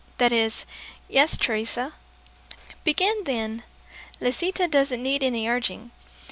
that is yes, Teresa." "Begin then! Lisita doesn't need any urging.